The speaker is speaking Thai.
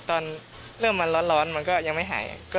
ตอนเริ่มมันร้อนมันก็ยังไม่หาย